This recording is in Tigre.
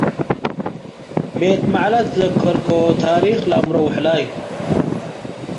ቤት መዕላ ትዘከርኮ - ታሪክ ለአምሮ ወሕላይ፣